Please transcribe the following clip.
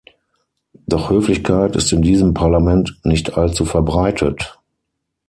Doch Höflichkeit ist in diesem Parlament nicht allzu verbreitet.